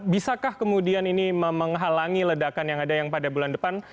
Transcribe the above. bisakah kemudian ini menghalangi ledakan yang ada yang pada bulan depan